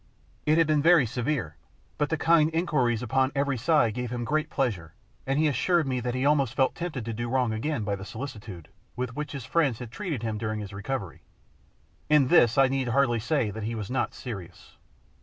It had been very severe, but the kind inquiries upon every side gave him great pleasure, and he assured me that he felt almost tempted to do wrong again by the solicitude with which his friends had treated him during his recovery: in this I need hardly say that he was not serious.